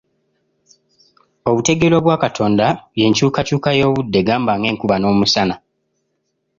Obutegeerwa bwa Katonda w'enkyukakyuka y’obudde gamba ng’enkuba n’omusana.